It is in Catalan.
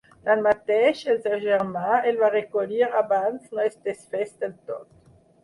Tanmateix, el seu germà el va recollir abans no es desfés del tot.